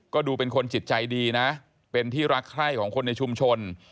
ก็ดูเป็นคนจิตใจดีนะเป็นที่รักใคร่ของคนในชุมชน